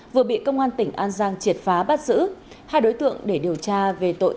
vừa bị công an tỉnh an giang triệt phá bắt giữ hai đối tượng để điều tra về tội